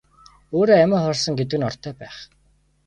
Өөрөө амиа хорлосон гэдэг нь ортой байх.